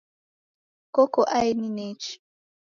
Koko aeni nechi